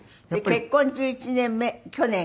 結婚１１年目去年。